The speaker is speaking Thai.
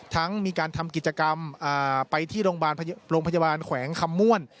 มีการทำกิจกรรมไปที่โรงพยาบาลแขวงคำม่วน